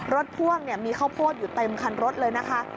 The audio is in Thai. พ่วงมีข้าวโพดอยู่เต็มคันรถเลยนะคะ